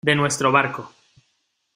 de nuestro barco.